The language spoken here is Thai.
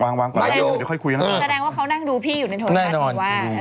แสดงว่าเขานั่งดูพี่อยู่ในโทรศาสตร์หรือว่าแน่นอน